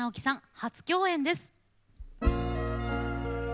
初共演です。